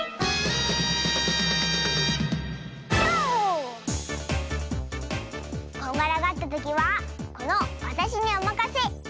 とう！こんがらがったときはこのわたしにおまかせ。